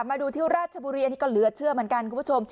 มาดูที่ราชบุรีอันนี้ก็เหลือเชื่อเหมือนกันคุณผู้ชม